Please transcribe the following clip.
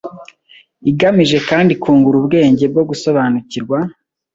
Igamije kandi kungura ubwenge bwo gusobanukirwa